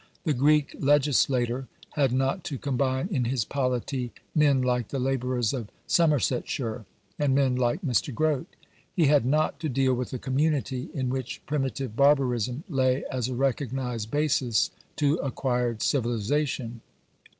The Greek legislator had not to combine in his polity men like the labourers of Somersetshire, and men like Mr. Grote. He had not to deal with a community in which primitive barbarism lay as a recognised basis to acquired civilisation.